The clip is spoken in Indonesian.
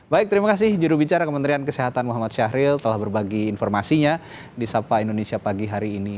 baik terima kasih jurubicara kementerian kesehatan muhammad syahril telah berbagi informasinya di sapa indonesia pagi hari ini